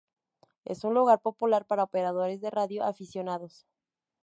Es un lugar popular para operadores de radio aficionados.